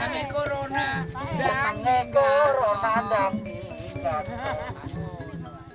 jangan ada corona